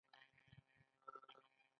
د یو سوکاله ژوند لپاره.